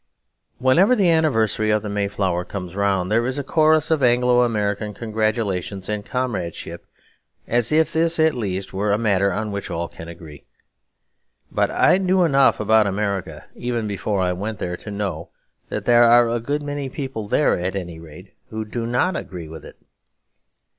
Whenever the anniversary of the Mayflower comes round, there is a chorus of Anglo American congratulation and comradeship, as if this at least were a matter on which all can agree. But I knew enough about America, even before I went there, to know that there are a good many people there at any rate who do not agree with it.